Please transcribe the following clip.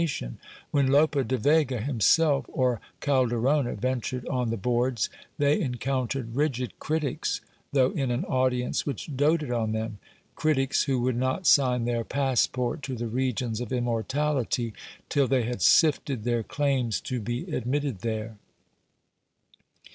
When Lope de Vega himself or Calderona ventured on the boards, they encountered rigid critics, though in an audience which doted on them : critics who would not sign their passport to the regions of immortality till they had sifted their claims to be admitted there.